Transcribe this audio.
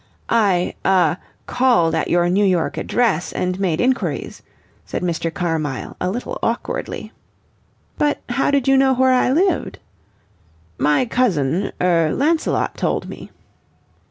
"I ah called at your New York address and made inquiries," said Mr. Carmyle a little awkwardly. "But how did you know where I lived?" "My cousin er Lancelot told me."